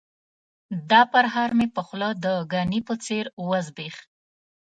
دا پرهار مې په خوله د ګني په څېر وزبیښ.